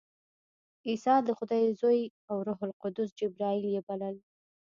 عیسی د خدای زوی او روح القدس جبراییل یې بلل.